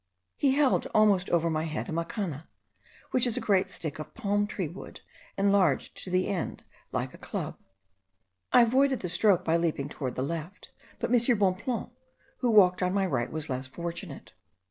He held almost over my head a macana, which is a great stick of palm tree wood, enlarged to the end like a club. I avoided the stroke by leaping towards the left; but M. Bonpland, who walked on my right, was less fortunate.